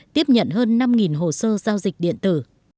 tiếp nhận hơn năm hồ sơ giao dịch điện tử